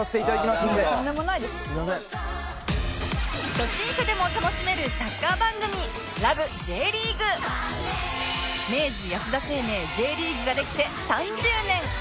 初心者でも楽しめるサッカー番組明治安田生命 Ｊ リーグができて３０年！